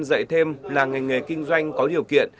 dạy thêm là ngành nghề kinh doanh có điều kiện